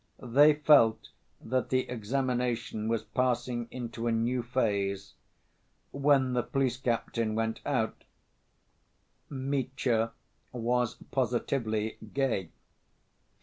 They felt that the examination was passing into a new phase. When the police captain went out, Mitya was positively gay.